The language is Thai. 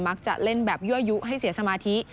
จะเล่นแบบยั่วยุให้เสียสมาธิ